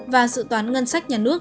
và sự toán ngân sách nhà nước